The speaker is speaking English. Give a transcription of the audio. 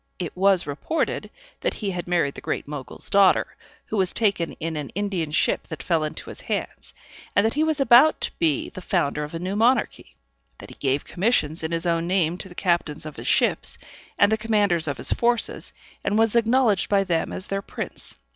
It was reported that he had married the Great Mogul's daughter, who was taken in an Indian ship that fell into his hands, and that he was about to be the founder of a new monarchy that he gave commissions in his own name to the captains of his ships, and the commanders of his forces, and was acknowledged by them as their prince.